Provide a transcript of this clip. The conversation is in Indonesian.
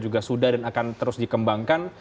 juga sudah dan akan terus dikembangkan